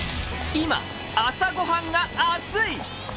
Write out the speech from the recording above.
今朝ごはんが熱い！